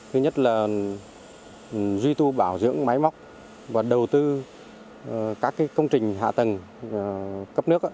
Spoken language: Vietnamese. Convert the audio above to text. thứ nhất là duy tu bảo dưỡng máy móc và đầu tư các công trình hạ tầng cấp nước